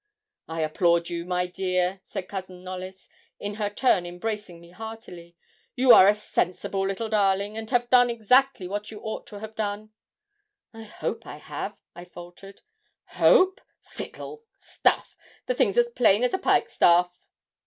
'I applaud you, my dear,' said Cousin Knollys, in her turn embracing me heartily. 'You are a sensible little darling, and have done exactly what you ought to have done.' 'I hope I have,' I faltered. 'Hope? fiddle! stuff! the thing's as plain as a pikestaff.'